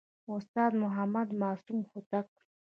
استاد محمد معصوم هوتک